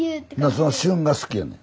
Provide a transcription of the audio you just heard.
その駿が好きやねん？